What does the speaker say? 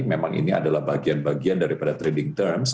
memang ini adalah bagian bagian daripada trading terms